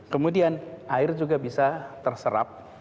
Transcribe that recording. kemudian air juga bisa terserap